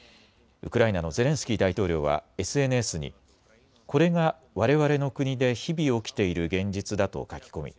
ウクライナのゼレンスキー大統領はＳＮＳにこれがわれわれの国で日々起きている現実だと書き込み